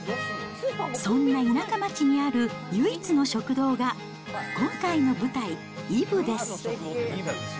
そんな田舎町にある唯一の食堂が、今回の舞台、いぶです。